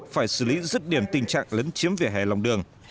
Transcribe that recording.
phải xử lý rứt điểm tình trạng lấn chiếm vỉa hè lòng đường